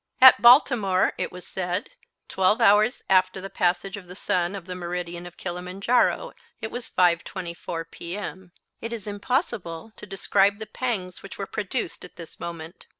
At Baltimore, it was said, twelve hours after the passage of the sun of the meridian of Kilimanjaro, it was 5:24 P.M. It is impossible to describe the pangs which were produced at this moment.